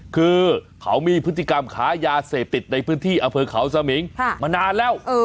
คือเขามีพฤติกรรมขายาเสพติดในพื้นที่อำเภอเขาสมิงมานานแล้ว